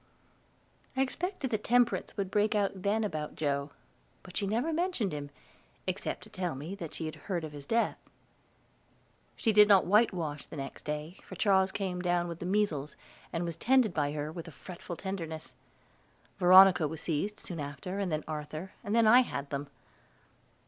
I expected that Temperance would break out then about Joe; but she never mentioned him, except to tell me that she had heard of his death. She did not whitewash the next day, for Charles came down with the measles, and was tended by her with a fretful tenderness. Veronica was seized soon after, and then Arthur, and then I had them.